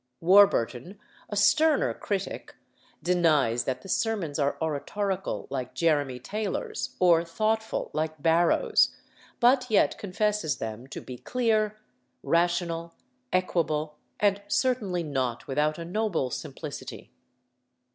Warburton, a sterner critic, denies that the sermons are oratorical like Jeremy Taylor's, or thoughtful like Barrow's, but yet confesses them to be clear, rational, equable, and certainly not without a noble simplicity.